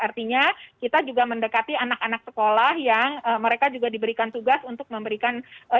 artinya kita juga mendekati anak anak sekolah yang mereka juga diberikan tugas untuk memberikan